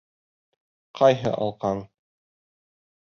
Ҡайһы алҡаң?